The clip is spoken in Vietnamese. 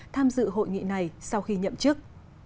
tham dự hội nghị này sau khi nhậm chức